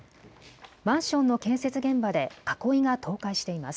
マンションの建設現場で囲いが倒壊しています。